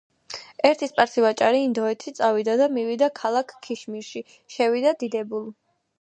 ერთი სპარსი ვაჭარი ინდოეთში წავიდა და მივიდა ქალაქ ქიშმირში. შევიდა დიდებულ